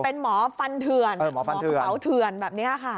เป็นหมอฟันเถื่อนหมอกระเป๋าเถื่อนแบบนี้ค่ะ